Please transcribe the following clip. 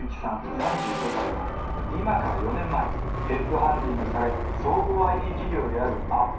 ３５歳は今から４年前ヘッドハンティングされ総合ＩＴ企業であるアップ